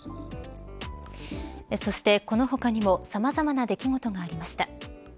そしてこの他にもさまざまな出来事がありました。